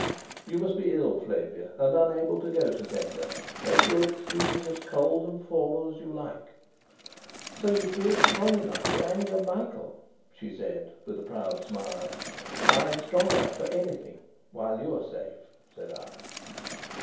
You must be ill, Flavia, and unable to go to Zenda. Make your excuses as cold and formal as you like." "So you feel strong enough to anger Michael?" she said, with a proud smile. "I'm strong enough for anything, while you are safe," said I.